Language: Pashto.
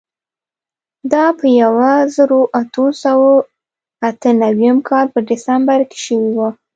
دا په یوه زرو اتو سوو اته نوېم کال په ډسمبر کې شوې وه.